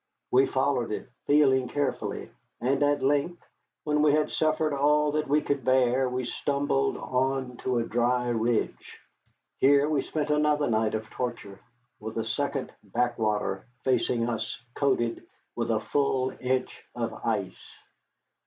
We followed it, feeling carefully, and at length, when we had suffered all that we could bear, we stumbled on to a dry ridge. Here we spent another night of torture, with a second backwater facing us coated with a full inch of ice.